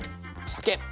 酒。